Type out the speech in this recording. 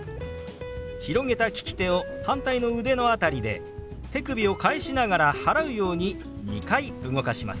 広げた利き手を反対の腕の辺りで手首を返しながら払うように２回動かします。